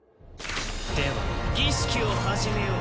では儀式を始めよう。